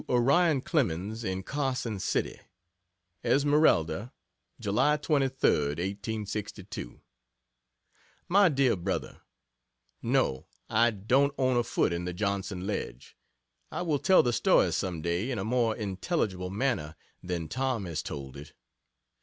To Orion Clemens, in Carson City: ESMERALDA, July 23d, 1862. MY DEAR BRO., No, I don't own a foot in the "Johnson" ledge I will tell the story some day in a more intelligible manner than Tom has told it.